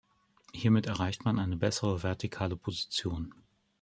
Hiermit erreicht man eine bessere vertikale Position.